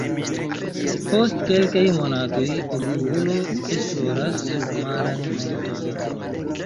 Post kelkaj monatoj, Okrulo esploras submaran monton.